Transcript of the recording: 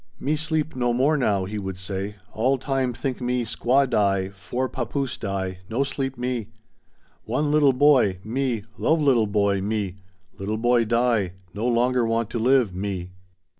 "Me sleep no more now," he would say, "all time think me, squaw die, four papoose die, no sleep me. One little boy, me—love little boy, me—little boy die, no longer want to live, me."